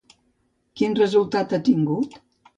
Quin resultat ha tingut?